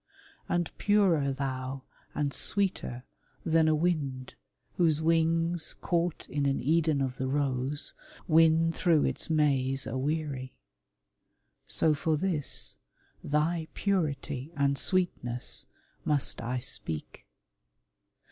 And purer thou and sweeter than a wind Whose wings, caught in an Eden of the j*ose, Win through its maze aweary. So for this, Thy purity and sweetness, must I speak.